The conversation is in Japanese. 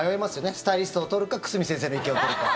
スタイリストを取るか久住先生の意見を取るか。